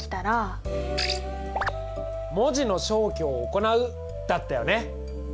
文字の消去を行う！だったよね。